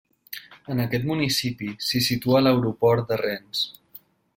En aquest municipi s'hi situa l'aeroport de Rennes.